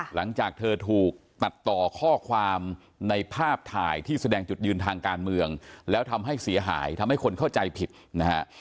หลังจากเธอถูกตัดต่อข้อความในภาพถ่ายที่แสดงจุดยืนทางการเมืองแล้วทำให้เสียหายทำให้คนเข้าใจผิดนะฮะ